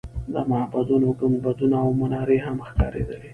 د معبدونو ګنبدونه او منارې هم ښکارېدلې.